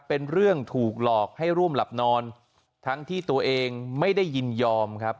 เป็นเรื่องถูกหลอกให้ร่วมหลับนอนทั้งที่ตัวเองไม่ได้ยินยอมครับ